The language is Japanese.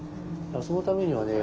そのためにはね